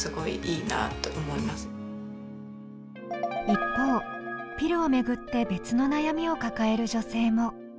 一方、ピルを巡って別の悩みを抱える女性も。